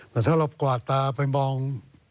แต่ถ้าเรากวาดตาไปมอง